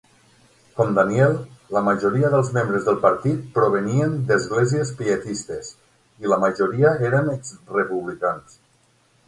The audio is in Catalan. Com Daniel, la majoria dels membres del partit provenien d'esglésies pietistes, i la majoria eren exrepublicans.